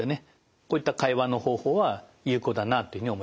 こういった会話の方法は有効だなというふうに思います。